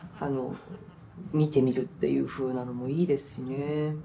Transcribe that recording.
見てみるっていうふうなのもいいですしね。